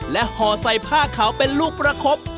ห่อใส่ผ้าขาวเป็นลูกประคบ